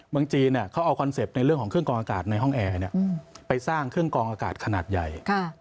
จีนเขาเอาคอนเซ็ปต์ในเรื่องของเครื่องกองอากาศในห้องแอร์ไปสร้างเครื่องกองอากาศขนาดใหญ่